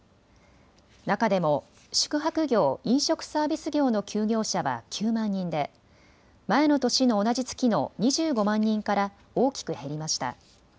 中でも宿泊業・飲食サービス業の休業者は９万人で前の年の同じ月の２５万人から大きく減りました。